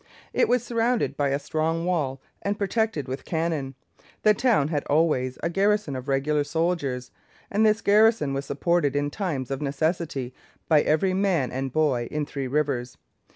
It was surrounded by a strong wall and protected with cannon. The town had always a garrison of regular soldiers, and this garrison was supported in times of necessity by every man and boy in Three Rivers.